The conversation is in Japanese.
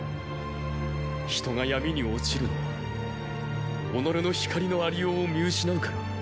人が闇に落ちるのは己の光の有りようを見失うからーー。